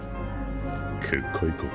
結界か。